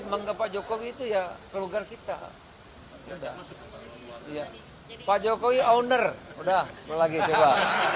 mangga pak jokowi itu ya keluarga kita pak jokowi owner udah lagi coba